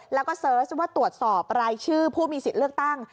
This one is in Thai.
แล้วก็เสิร์ชว่าตรวจสอบรายชื่อผู้มีสิทธิ์เลือกตั้ง